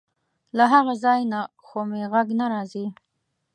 له هغه ځای نه خو مې غږ نه راځي.